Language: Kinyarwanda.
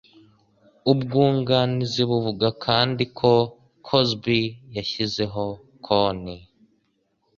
Ubwunganizi buvuga kandi ko Cosby yashyizeho konti